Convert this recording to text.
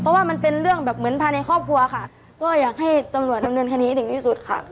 เพราะว่ามันเป็นเรื่องแบบเหมือนภายในครอบครัวค่ะก็อยากให้ตำรวจดำเนินคดีให้ถึงที่สุดค่ะ